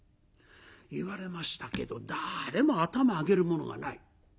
言われましたけど誰も頭上げる者がない。